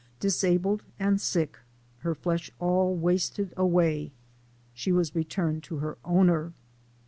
Disabled and sick, her flesh all wasted away, she was returned to her owner.